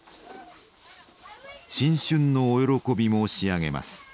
「新春のお慶び申し上げます。